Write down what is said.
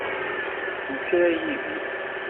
Sew kra yid-i.